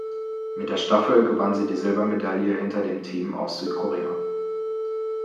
Mit der Staffel gewann sie die Silbermedaille hinter dem Team aus Südkorea.